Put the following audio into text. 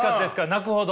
泣くほど。